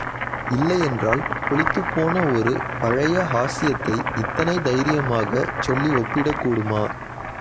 இல்லையென்றால் புளித்துப்போன ஒரு பழைய ஹாஸ்யத்தை இத்தனை தைரியமாகச் சொல்லி ஒப்பிடக்கூடுமா?